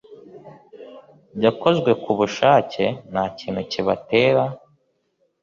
yakozwe ku bushake, ntakintu kibatera